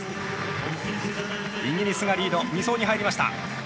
イギリスがリード２走に入りました。